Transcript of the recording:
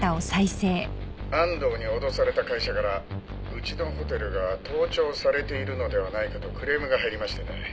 安藤に脅された会社からうちのホテルが盗聴されているのではないかとクレームが入りましてね。